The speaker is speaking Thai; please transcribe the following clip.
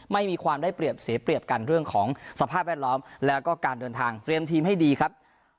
ไม่มีความได้เปรียบเสียเปรียบกันเรื่องของสภาพแวดล้อมแล้วก็การเดินทางเตรียมทีมให้ดีครับ